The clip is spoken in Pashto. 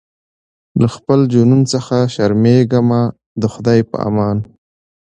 له خپل جنون څخه شرمېږمه د خدای په امان